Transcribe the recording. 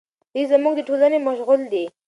دی زموږ د ټولنې مشعل دی.